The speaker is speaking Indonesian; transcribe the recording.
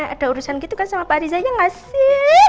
ada urusan gitu kan sama pak rizanya gak sih